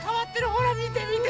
ほらみてみて。